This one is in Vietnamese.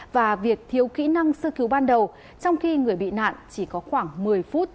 và việc thiếu kỹ năng sơ cứu ban đầu trong khi người bị nạn chỉ có khoảng một mươi phút